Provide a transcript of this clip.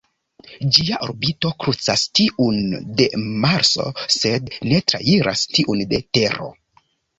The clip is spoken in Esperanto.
Ĝia orbito krucas tiun de Marso sed ne trairas tiun de Tero.